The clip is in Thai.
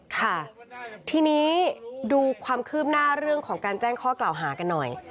ค่ะทีนี้ดูความคืบหน้าเรื่องของการแจ้งข้อกล่าวหากันหน่อย